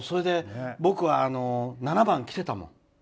それで僕は、７番着てたもん。